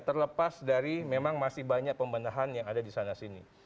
terlepas dari memang masih banyak pembentahan yang ada disana sini